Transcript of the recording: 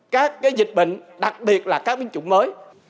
các dịch bệnh đặc biệt là các binh chủng mới